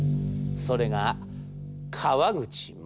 それが川口勝。